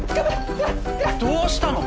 どうしたの？